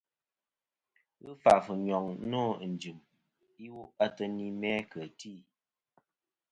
Ghɨ fàf ɨnyoŋ nô ɨnjɨm iwo ateyni mæ kɨ tî.